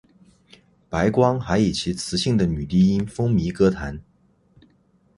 白光还以其磁性的女低音风靡歌坛。